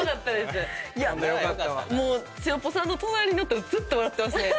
もうつよぽさんの隣におったらずっと笑ってます。